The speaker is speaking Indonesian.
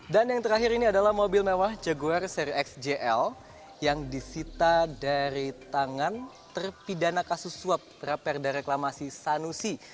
dan yang terakhir ini adalah mobil mewah jaguar seri xjl yang disita dari tangan terpidana kasus swap berapar dari reklamasi sanusi